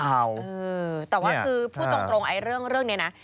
แต่ว่าคือพูดตรงเรื่องนี้นะ